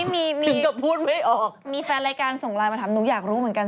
มีแฟนรายการส่งไลน์มาถามหนูอยากรู้เหมือนกัน